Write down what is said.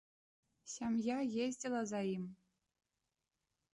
Сям'я ездзіла за ім.